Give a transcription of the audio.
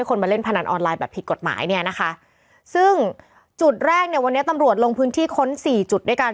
กฎหมายเนี้ยนะคะซึ่งจุดแรกนี่วันนี้ตำรวจลงพื้นที่ค้นสี่จุดด้วยกัน